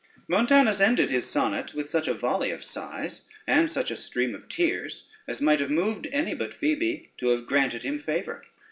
Montanus ended his sonnet with such a volley of sighs, and such a stream of tears, as might have moved any but Phoebe to have granted him favor.